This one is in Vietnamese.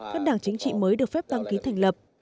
các đảng chính trị mới được phép đăng ký thành lập